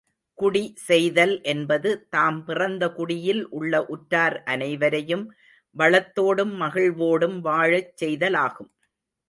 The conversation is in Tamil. குடி செய்தல் என்பது, தாம் பிறந்த குடியில் உள்ள உற்றார் அனைவரையும் வளத்தோடும் மகிழ்வோடும் வாழச் செய்தலாகும்.